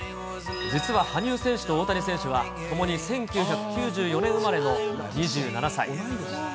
実は羽生選手と大谷選手は、ともに１９９４年生まれの２７歳。